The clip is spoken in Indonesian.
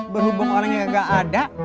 berhubung orang yang gak ada